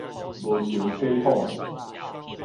無成體統